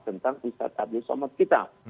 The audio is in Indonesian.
tentang ustadz abdul somad kita